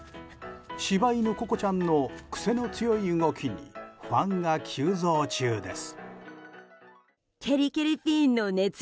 柴犬、瑚子ちゃんの癖の強い動きにファンが急増中です。